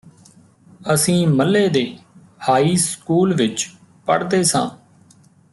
ਅਸੀਂ ਮੱਲ੍ਹੇ ਦੇ ਹਾਈ ਸਕੂਲ ਵਿਚ ਪੜ੍ਹਦੇ ਸਾਂ